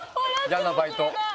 嫌なバイトだ。